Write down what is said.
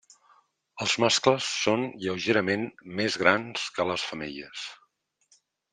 Els mascles són lleugerament més grans que les femelles.